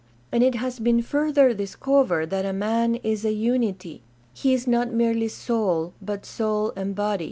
And it has been further discovered that a man is a unity; he is not merely soul, but soul and body.